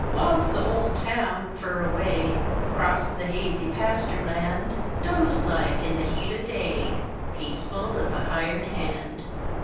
Whilse the old town, fur away 'Crosst the hazy pastur' land, Dozed like in the heat o' day Peaceful' as a hired hand.